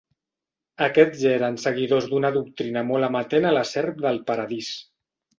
Aquests eren seguidors d'una doctrina molt amatent a la serp del paradís.